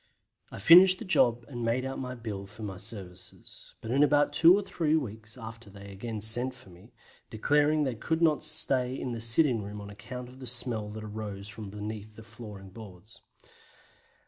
I finished the job and made out my bill for my services, but in about two or three weeks after they again sent for me, declaring they could not stay in the sitting room on account of the smell that arose from beneath the flooring boards.